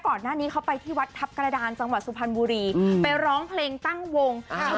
ก่อนหน้านี้เขาไปที่วัดทัพกรดารสุพรรณบุรีไปร้องเสร็จเพลงตั้งวง